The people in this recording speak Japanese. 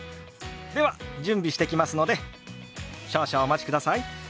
では準備してきますので少々お待ちください。